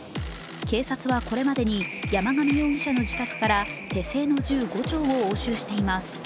警察はこれまでに山上容疑者の自宅から手製の銃５丁を押収しています。